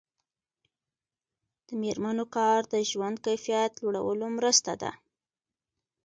د میرمنو کار د ژوند کیفیت لوړولو مرسته ده.